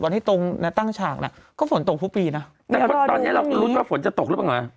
ตรงที่ตรงนะตั้งฉากน่ะก็ฝนตกทุกปีนะแต่ตอนเนี้ยเราก็รุ้นว่าฝนจะตกหรือเปล่า